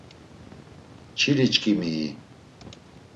Çiliçkimii?